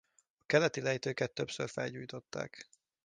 A keleti lejtőket többször felgyújtották.